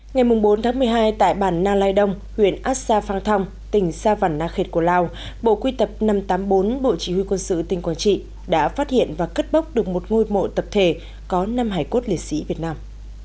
ngày bốn tháng một mươi hai tại bản na lai đông huyện asa phang thong tỉnh sa văn na khệt của lào bộ quy tập năm trăm tám mươi bốn bộ chỉ huy quân sự tỉnh quảng trị đã phát hiện và cất bốc được một ngôi mộ tập thể có năm hải cốt liệt sĩ việt nam